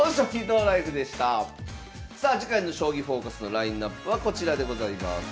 さあ次回の「将棋フォーカス」のラインナップはこちらでございます。